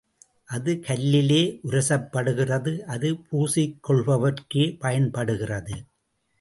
அது கல்லிலே உரசப்படுகிறது அது பூசிக்கொள்பவர்க்கே பயன்படுகிறது.